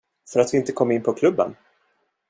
För att vi inte kom in på klubben?